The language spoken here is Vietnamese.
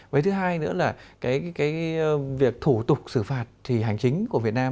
với thứ hai nữa là cái việc thủ tục xử phạt thì hành chính của việt nam